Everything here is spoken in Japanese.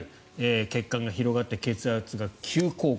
血管が広がって血圧が急降下。